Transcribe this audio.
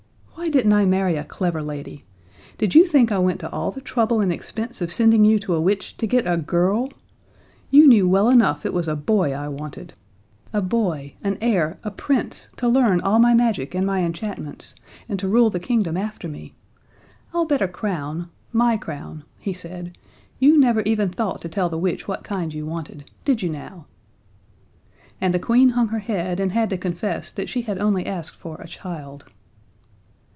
"Why didn't I marry a clever lady? Did you think I went to all the trouble and expense of sending you to a witch to get a girl? You knew well enough it was a boy I wanted a boy, an heir, a Prince to learn all my magic and my enchantments, and to rule the kingdom after me. I'll bet a crown my crown," he said, "you never even thought to tell the witch what kind you wanted! Did you now?" And the Queen hung her head and had to confess that she had only asked for a child.